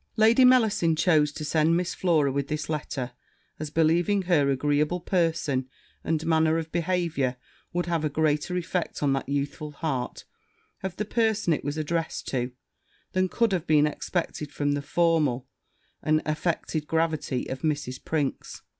Lady Mellasin chose to send Miss Flora with this letter, as believing her agreeable person, and manner of behaviour, would have a greater effect on that youthful heart of the person it was addressed to, than could have been expected from the formal and affected gravity of Mrs. Prinks.